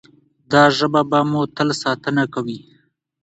دا ژبه به مو تل ساتنه کوي.